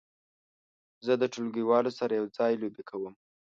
زه د ټولګیوالو سره یو ځای لوبې کوم.